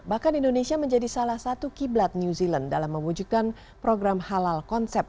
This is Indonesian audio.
bahkan indonesia menjadi salah satu kiblat new zealand dalam mewujudkan program halal konsep